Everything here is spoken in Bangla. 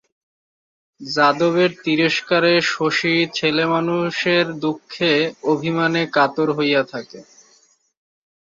যাদবের তিরস্কারে শশী ছেলেমানুষের দুঃখে অভিমানে কাতর হইয়া থাকে।